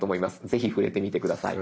ぜひ触れてみて下さい。